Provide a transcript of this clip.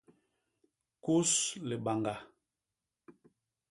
Kus libañga.